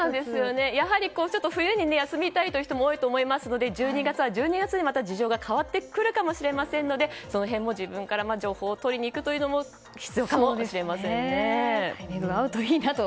やはり冬に休みたいという人も多いと思いますので１２月にまた事情が変わってくるかもしれませんのでその辺も自分から情報を取りに行くのも必要かもしれませんね。